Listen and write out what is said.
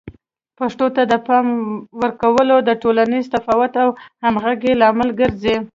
پښتو ته د پام ورکول د ټولنیز تفاهم او همغږۍ لامل ګرځي.